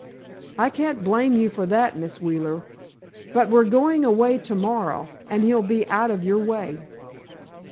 "I can't blame you for that, Miss Wheeler. But we're going away to morrow, and he'll be out of your way."